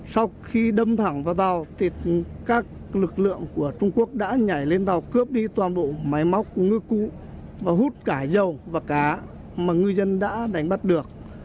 sau khi đâm thẳng vào tàu thì các lực lượng của trung quốc đã nhảy lên tàu cướp đi toàn bộ máy móc ngư cụ và hút cả dầu và cá mà ngư dân đã đánh bắt được